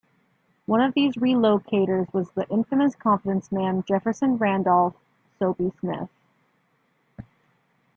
One of these relocators was the infamous confidence man Jefferson Randolph "Soapy" Smith.